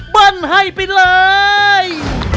ปั้นให้ไปเลย